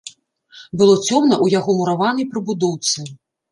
Было цёмна ў яго мураванай прыбудоўцы.